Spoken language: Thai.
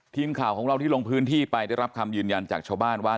ทีมข่าวของเราที่ลงพื้นที่ไปได้รับคำยืนยันจากชาวบ้านว่า